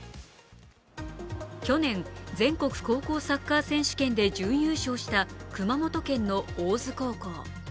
去年、全国高校サッカー選手権で準優勝した熊本県の大津高校。